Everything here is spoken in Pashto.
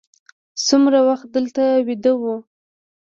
څومره وخت دلته ویده وو.